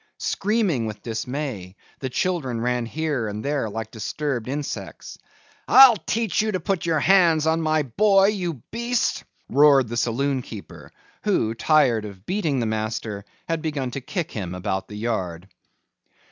Screaming with dismay, the children ran here and there like disturbed insects. "I'll teach you to put your hands on my boy, you beast," roared the saloon keeper, who, tired of beating the master, had begun to kick him about the yard.